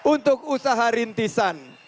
untuk usaha rintisan